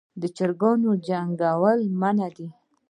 د چرګ جنګول منع دي